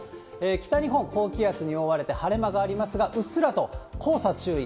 北日本、高気圧に覆われて晴れ間がありますが、うっすらと黄砂注意。